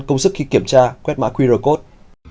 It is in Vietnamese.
công sức khi kiểm tra quét mã qr code